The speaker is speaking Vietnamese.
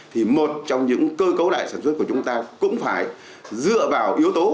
thì một trong những cơ cấu lại sản xuất của chúng ta cũng phải dựa vào yếu tố